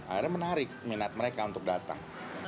akhirnya menarik minat mereka untuk datang